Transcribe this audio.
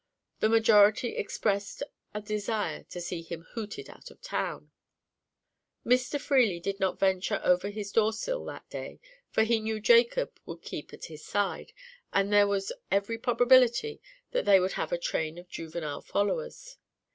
The majority expressed a desire to see him hooted out of the town. Mr. Freely did not venture over his door sill that day, for he knew Jacob would keep at his side, and there was every probability that they would have a train of juvenile followers.